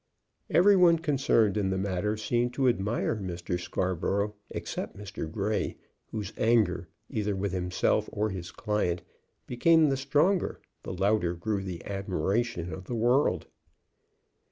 Every one concerned in the matter seemed to admire Mr. Scarborough except Mr. Grey, whose anger, either with himself or his client, became the stronger the louder grew the admiration of the world.